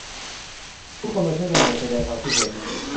ทุกคนมาช่วยกันโหวต แสดงความคิดเห็น